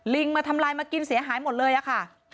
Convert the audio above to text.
มาทำลายมากินเสียหายหมดเลยอะค่ะ